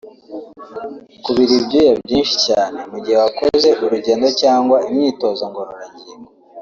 Kubira ibyuya byinshi cyane mu gihe wakoze urugendo cyangwa imyitozo ngororangingo